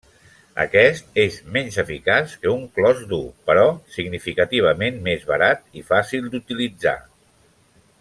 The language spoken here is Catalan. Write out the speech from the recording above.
Aquest és menys eficaç que un clos dur, però significativament més barat i fàcil d'utilitzar.